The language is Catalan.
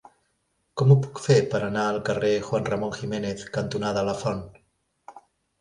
Com ho puc fer per anar al carrer Juan Ramón Jiménez cantonada Lafont?